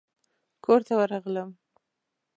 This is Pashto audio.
کورته ورغلم.